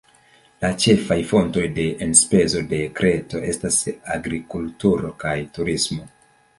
La ĉefaj fontoj de enspezo de Kreto estas agrikulturo kaj turismo.